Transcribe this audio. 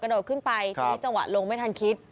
ครับที่นี่จังหวะลงไม่ทันคิด